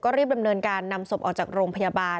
รีบดำเนินการนำศพออกจากโรงพยาบาล